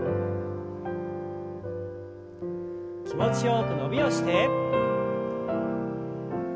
気持ちよく伸びをして。